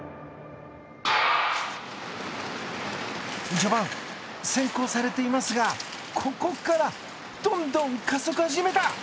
序盤、先行されていますがここからどんどん加速始めた！